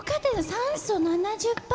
酸素７０％？